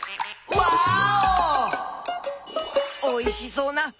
ワーオ！